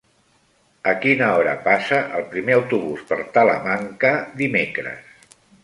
A quina hora passa el primer autobús per Talamanca dimecres?